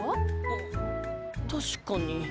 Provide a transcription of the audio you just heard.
あったしかに。